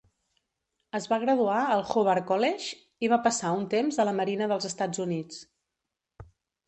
Es va graduar al Hobart College i va passar un temps a la Marina dels Estats Units.